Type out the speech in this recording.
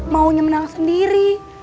maunya menang sendiri